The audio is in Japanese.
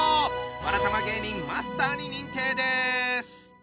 わらたま芸人マスターに認定です！